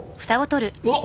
うわっ！